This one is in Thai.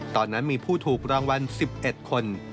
ตอนนั้นมีผู้ถูกรางวัล๑๑คน